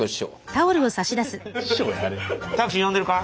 タクシー呼んでるか？